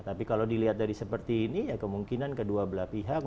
tapi kalau dilihat dari seperti ini ya kemungkinan kedua belah pihak